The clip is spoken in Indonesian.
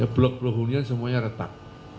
blok blok hunian semuanya retak